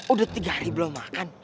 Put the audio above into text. udah tiga hari belum makan